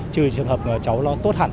trừ trường hợp cháu nó tốt hẳn